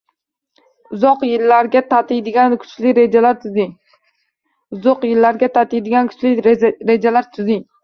Uzoq yillarga tatiydigan kuchli rejalar tuzing